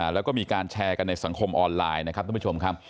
แล้วก็มีการแชร์กันในสังคมออนไลน์นะครับท่านผู้ชมครับ